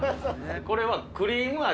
これはクリーム味。